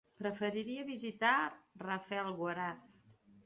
Preferiria visitar Rafelguaraf.